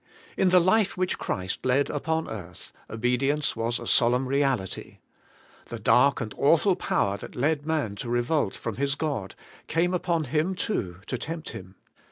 In the life which Christ led upon earth, obedience was a solemn reality. The dark and awful power that led man to revolt from his God, came upon Him too, to tempt Him.